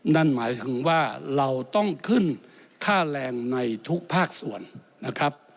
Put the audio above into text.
นั่นหมายถึงว่าเราต้องขึ้นค่าแรงในทุกภาคส่วนนะครับ